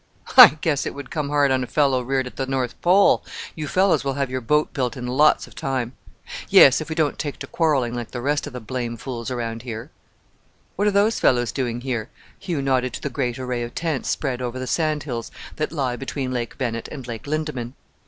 "I guess it would come hard on a fellow reared at the North Pole! You fellows will have your boat built in lots of time." "Yes, if we don't take to quarrelling like the rest of the blame fools around here." "What are those fellows doing here?" Hugh nodded to the great array of tents spread over the sand hills that lie between Lake Bennett and Lake Lindeman.